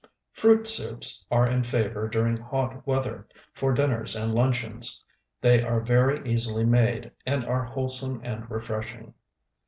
Fruit soups are in favor during hot weather, for dinners and luncheons; they are very easily made, and are wholesome and refreshing.